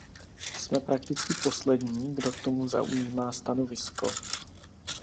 Jsme prakticky poslední, kdo k tomu zaujímá stanovisko.